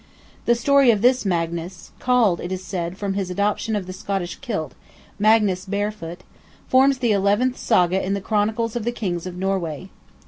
The story of this Magnus (called, it is said, from his adoption of the Scottish kilt, Magnus Barefoot) forms the eleventh Saga in "the Chronicles of the Kings of Norway."